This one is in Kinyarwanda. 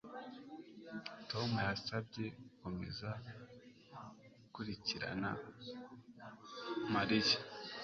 Tom yansabye gukomeza gukurikirana Mariya